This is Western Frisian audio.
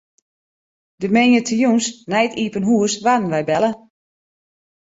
De moandeitejûns nei it iepen hûs waarden wy belle.